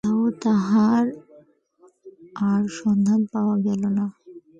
কোথাও তাহার আর সন্ধান পাওয়া গেল না।